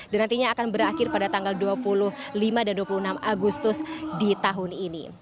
dan nantinya akan berakhir pada tanggal dua puluh lima dan dua puluh enam agustus di tahun ini